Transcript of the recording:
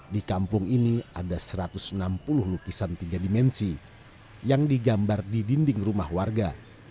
di kampung ini ada satu ratus enam puluh lukisan tiga dimensi yang digambar di dinding rumah warga